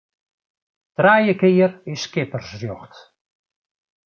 Trije kear is skippersrjocht.